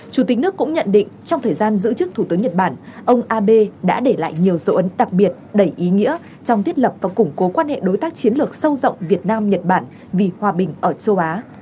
chủ tịch nước cũng nhận định trong thời gian giữ chức thủ tướng nhật bản ông abe đã để lại nhiều dấu ấn đặc biệt đầy ý nghĩa trong thiết lập và củng cố quan hệ đối tác chiến lược sâu rộng việt nam nhật bản vì hòa bình ở châu á